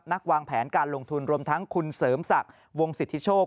วางแผนการลงทุนรวมทั้งคุณเสริมศักดิ์วงสิทธิโชค